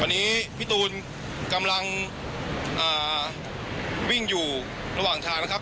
วันนี้พี่ตูนกำลังวิ่งอยู่ระหว่างทางนะครับ